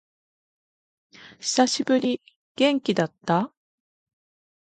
久しぶり。元気だった？